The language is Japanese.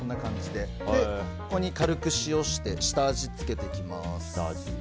ここに軽く塩で下味を付けていきます。